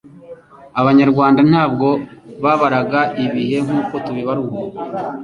Abanyarwanda ntabwo babaraga ibihe nk'uko tubibara ubu.